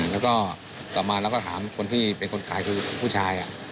แล้วก็ต่อมาเราก็ถามคนที่เป็นคนขายคือผู้ชาย